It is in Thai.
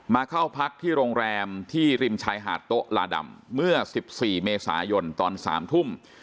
เข้าพักที่โรงแรมที่ริมชายหาดโต๊ะลาดำเมื่อ๑๔เมษายนตอน๓ทุ่ม